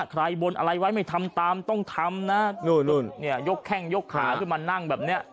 ใครบนอะไรไว้ไม่ทำตามต้องทำนะนู่นเนี่ยยกแข้งยกขาขึ้นมานั่งแบบเนี้ย